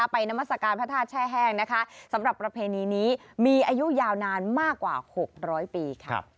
นามัศกาลพระธาตุแช่แห้งนะคะสำหรับประเพณีนี้มีอายุยาวนานมากกว่า๖๐๐ปีค่ะ